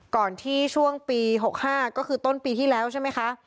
ก่อนที่ช่วงปี๖๕ก็คือต้นปีที่แล้วใช่ไหมคะ